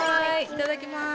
いただきます